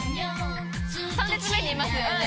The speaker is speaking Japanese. ３列目にいますよね。